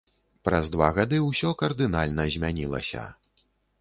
Праз два гады ўсё кардынальна змянілася.